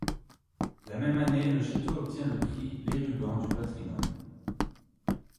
La même année, le château obtient le prix Les Rubans du patrimoine.